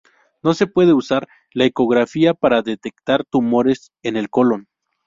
No se puede usar la ecografía para detectar tumores en el colon.